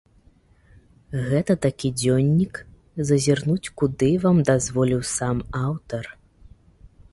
Гэта такі дзённік, зазірнуць куды вам дазволіў сам аўтар.